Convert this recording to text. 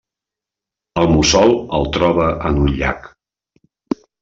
El mussol el troba en un llac.